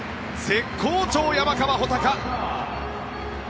絶好調、山川穂高！